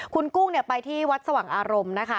คุณกุ้งไปที่วัดสว่างอารมณ์นะคะ